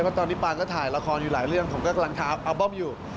เพราะตอนนี้ปานก็ถ่ายละครอยู่หลายเรื่องผมก็กำลังถามอัลบ้อมอยู่